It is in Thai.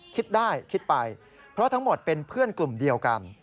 คิดได้คิดไปเพราะทั้งหมดเป็นเพื่อนกลุ่มเดียวกัน